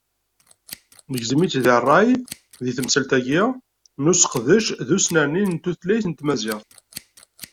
Negzem-itt deg ṛṛay deg temsalt-agi n useqdec d usnerni n tutlayt n tmaziɣt.